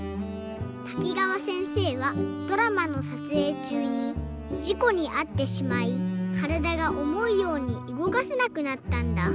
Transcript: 滝川せんせいはドラマのさつえいちゅうにじこにあってしまいからだがおもうようにうごかせなくなったんだ。